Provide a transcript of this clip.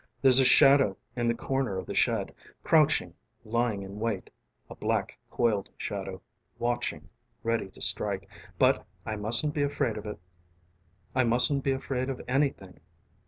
:: There's a shadow in the corner of the shed, crouching, lying in waitŌĆ" a black coiled shadow, watchingŌĆ" ready to strikeŌĆ" but I mustn't be afraid of itŌĆö I mustn't be afraid of anything.